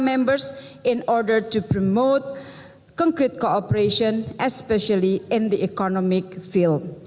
untuk mempromosikan kooperasi yang benar terutama di bidang ekonomi